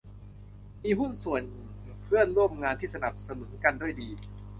มีหุ้นส่วนเพื่อนร่วมงานที่สนับสนุนกันด้วยดี